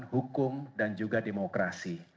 hukum dan juga demokrasi